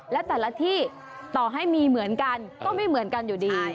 และแต่ละที่ต่อให้มีเหมือนกันก็ไม่เหมือนกันอยู่ดี